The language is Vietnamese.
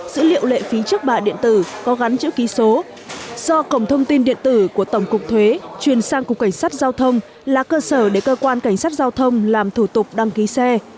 dữ liệu lệ phí trước bạ điện tử có gắn chữ ký số do cổng thông tin điện tử của tổng cục thuế chuyển sang cục cảnh sát giao thông là cơ sở để cơ quan cảnh sát giao thông làm thủ tục đăng ký xe